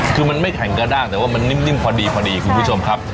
คือมันไม่แข็งกระด้างแต่ว่ามันนิ่มพอดีพอดีคุณผู้ชมครับ